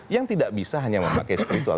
yang tidak bisa hanya memakai spiritual